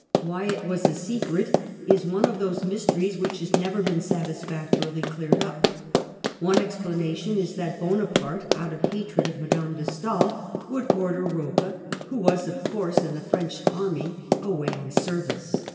Why it was a secret is one of those mysteries which has never been satisfac torily cleared up. One explanation is that Bo naparte, out of hatred of Madame de Stael, would order Rocca, who, of course, was in the French army, away on service.